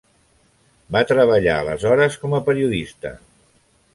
Va treballar aleshores com a periodista.